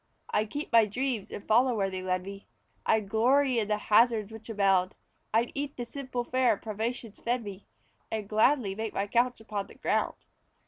I'd keep my dreams and follow where they led me; I'd glory in the hazards which abound. I'd eat the simple fare privations fed me, And gladly make my couch upon the ground.